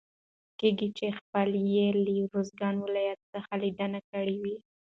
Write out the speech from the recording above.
کېږي چې خپله يې له روزګان ولايت څخه ليدنه کړي وي.